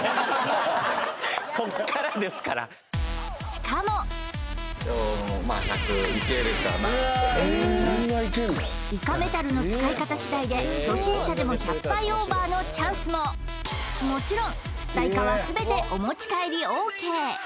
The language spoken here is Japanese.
しかもイカメタルの使い方しだいで初心者でも１００杯オーバーのチャンスももちろん釣ったイカはすべてお持ち帰りＯＫ